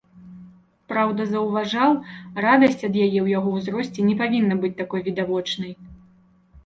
Праўда, заўважаў, радасць ад яе ў яго ўзросце не павінна быць такой відавочнай.